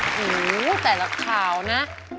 โอ้โฮแต่ละข่าวนะ